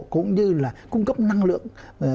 cũng như là cung cấp năng lượng